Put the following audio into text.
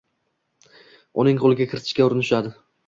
Uni qo’lga kiritishga urinishadi.